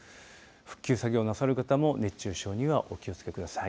復旧作業なさる方も熱中症にはお気をつけください。